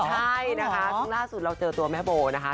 ใช่นะคะซึ่งล่าสุดเราเจอตัวแม่โบนะคะ